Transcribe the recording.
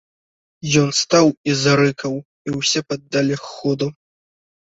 Ён стаў і зарыкаў, і ўсе паддалі ходу.